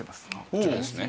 こちらですね。